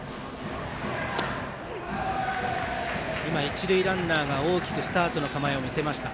今、一塁ランナーが大きくスタートの構えを見せました。